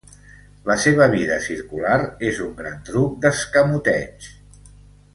La seva vida circular és un gran truc d'escamoteig.